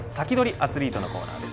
アツリートのコーナーです。